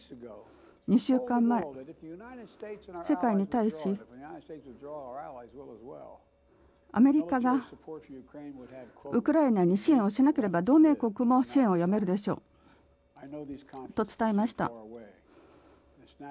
２週間前、世界に対しアメリカがウクライナに支援をしなければ同盟国も支援をやめるでしょうと伝えました。